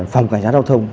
phòng cảnh sát giao thông